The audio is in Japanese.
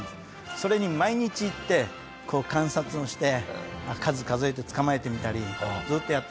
それに毎日行って観察をして数数えて捕まえてみたりずっとやって。